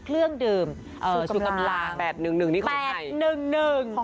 เครื่องเดิมสุขำลาง๘๑๑นี่ของใคร๘๑๑